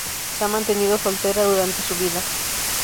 Se ha mantenido soltera durante su vida.